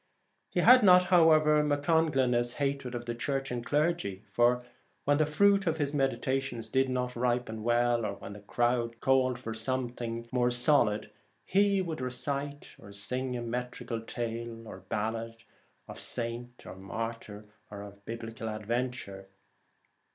He had not, however, MacConglinne's hatred of the Church and clergy, for when the fruit of his meditations did not ripen well, or when the crowd called for some thing more solid, he would recite or sing a metrical tale or ballad of saint or martyr or of Biblical adventure.